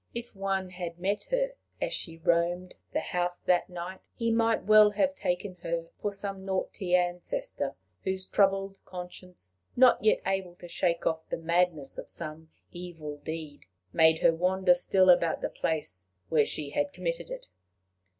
If one had met her as she roamed the house that night, he might well have taken her for some naughty ancestor, whose troubled conscience, not yet able to shake off the madness of some evil deed, made her wander still about the place where she had committed it.